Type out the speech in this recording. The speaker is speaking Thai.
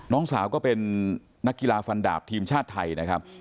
น้องสาวก็เป็นนักกีฬาฟันดาบทีมชาติไทยนะครับ